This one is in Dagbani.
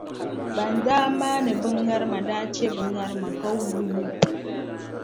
Ban daa maani bɛ ŋarima daa che bɛ ŋarima ka guui.